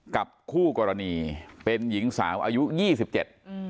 คู่กรณีเป็นหญิงสาวอายุยี่สิบเจ็ดอืม